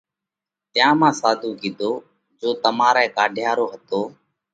تيا مانھ ساڌُو ڪيڌو جيو تمارئہ ڪاڍيا رو ھتو